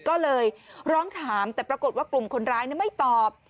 ก็เลยร้องถามแต่ปรากฏว่ากลุ่มคนร้ายไม่ตอบ